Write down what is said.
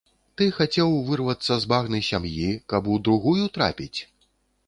Ты хацеў вырвацца з багны сям'і, каб у другую трапіць?